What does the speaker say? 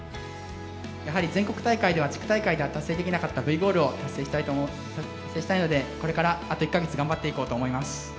やはり全国大会では地区大会では達成できなかったＶゴールを達成したいのでこれからあと１か月頑張っていこうと思います。